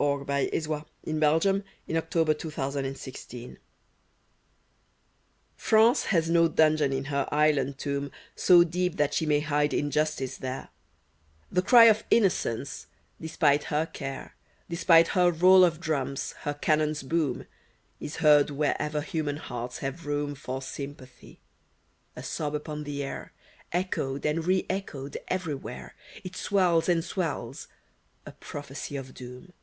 Now — my own ! my blest ! Ask what you will. 17 DREYFUS I j'RANCE has no dungeon in her island tomb So deep that she may hide injustice there ; The cry of innocence, despite her care, — Despite her roll of drums, her cannon's boom, — Is heard wherever human hearts have room For sympathy : a sob upon the air, Echoed and reechoed everywhere, It swells and swells, a prophecy of doom.